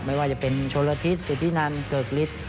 ไม่ว่าจะเป็นชนวิทธิสทธินานเกิรกฤษ